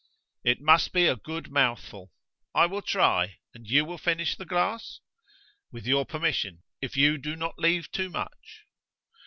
"It must be a good mouthful." "I will try. And you will finish the glass?" "With your permission, if you do not leave too much."